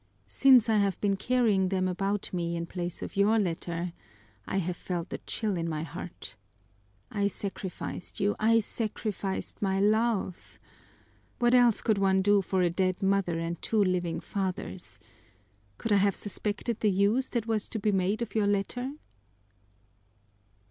Since I have been carrying them about with me, in place of your letter, I have, felt the chill in my heart. I sacrificed you, I sacrificed my love! What else could one do for a dead mother and two living fathers? Could I have suspected the use that was to be made of your letter?"